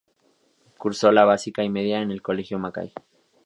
Cursó la básica y media en el Colegio Mackay.